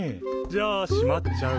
じゃあしまっちゃう？